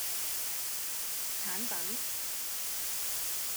產品